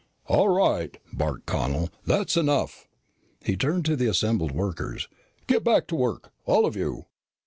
"All right," barked Connel. "That's enough." He turned to the assembled workers. "Get back to work, all of you."